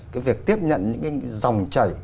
cái việc tiếp nhận những cái dòng chảy